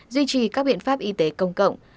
duy trì các biện pháp y tế công cộng